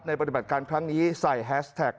ปฏิบัติการครั้งนี้ใส่แฮสแท็ก